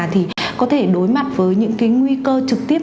thì có thể đối mặt với những cái nguy cơ trực tiếp